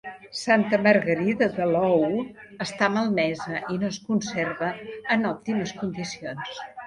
Santa Margarida de l'Alou està malmesa i no es conserva en òptimes condicions.